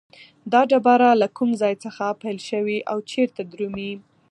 دا ډبره له کوم ځای څخه پیل شوې او چیرته درومي؟